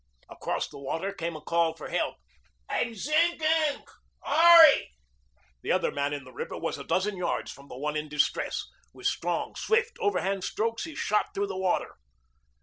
Across the water came a call for help. "I'm sinking hurry!" The other man in the river was a dozen yards from the one in distress. With strong, swift, overhand strokes he shot through the water.